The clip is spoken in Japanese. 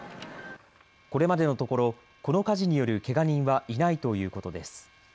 これまでのところこの火事によるけが人はいないということです。